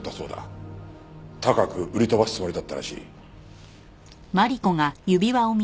高く売り飛ばすつもりだったらしい。